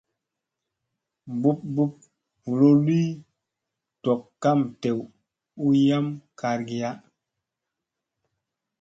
Bup bup bululi dok kam dew u yam kar giya.